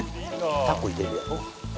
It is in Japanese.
タコ入れるやろ。